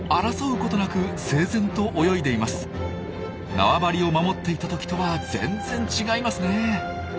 縄張りを守っていた時とは全然違いますねえ。